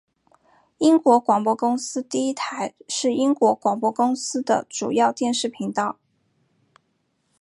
英国广播公司第一台是英国广播公司的主要电视频道。